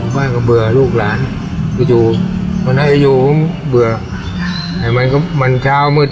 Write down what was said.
บ้านก็เบื่อลูกหลานอยู่วันไหนอยู่ผมเบื่อไอ้มันก็มันเช้ามืด